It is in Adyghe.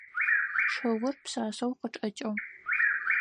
Шыур пшъашъэу къычӏэкӏыгъ.